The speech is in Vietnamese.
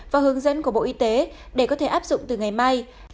và hướng dẫn của bộ y tế để có thể áp dụng từ ngày mai